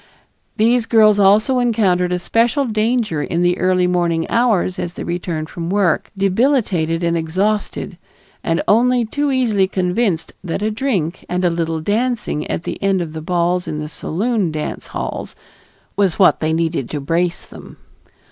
These girls also encountered a special danger in the early morning hours as they returned from work, debilitated and exhausted, and only too easily convinced that a drink and a little dancing at the end of the balls in the saloon dance halls, was what they needed to brace them.